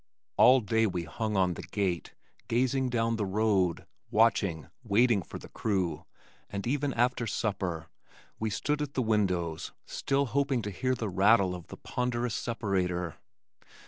All day we hung on the gate, gazing down the road, watching, waiting for the crew, and even after supper, we stood at the windows still hoping to hear the rattle of the ponderous separator.